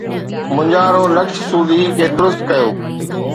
مونجهارو نقش سودي کي درست ڪيو